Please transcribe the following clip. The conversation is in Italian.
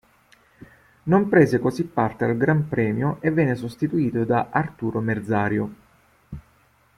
Non prese così parte al gran premio, e venne sostituito da Arturo Merzario.